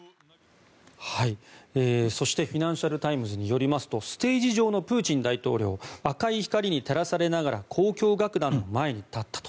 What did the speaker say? そしてフィナンシャル・タイムズによりますとステージ上のプーチン大統領赤い光に照らされながら交響楽団の前に立ったと。